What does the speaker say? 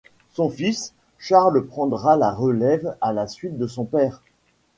Son fils, Charles prendra la relève à la suite de son père.